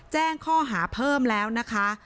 แจ้งข้อหาเพิ่มแล้วนะคะ